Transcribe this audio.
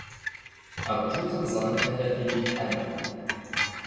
Rjut ad nẓer amek ara tili lḥala.